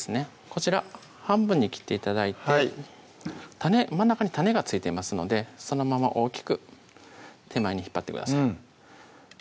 こちら半分に切って頂いて種真ん中に種が付いてますのでそのまま大きく手前に引っ張ってください